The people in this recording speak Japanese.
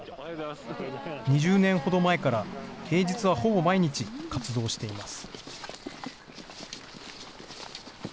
２０年ほど前から、平日はほぼ毎日、活動しています。